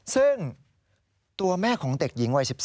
ซึ่งตัวแม่ของเด็กหญิงวัย๑๓